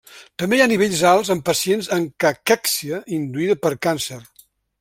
També hi ha nivells alts en pacients amb caquèxia induïda per càncer.